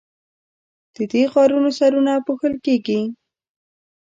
د دې غارونو سرونه پوښل کیږي.